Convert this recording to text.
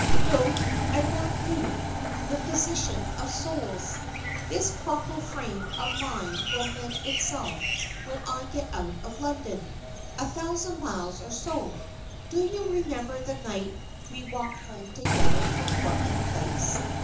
"No. I want you the physician of souls. This corporal frame of mine will mend itself when I get out of London; a thousand miles or so. Do you remember the night we walked home together from Portland Place?